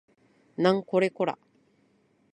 なんこれこら